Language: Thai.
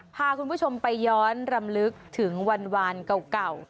พาคุณผู้ชมไปย้อนรำลึกถึงวันเก่า